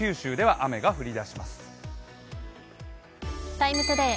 「ＴＩＭＥ，ＴＯＤＡＹ」